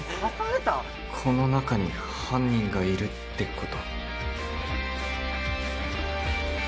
この中に犯人がいるってこと？